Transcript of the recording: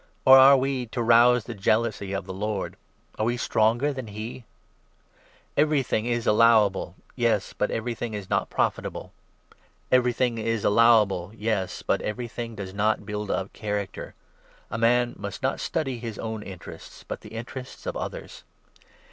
Or ' are we to rouse the jealousy of the Lord '? 22 Are we stronger than he ? Everything is allowable ! Yes, but everything is not profit 23 able. Everything is allowable ! Yes, but everything does not build up character. A man must not study his own interests, 24 but the interests of others.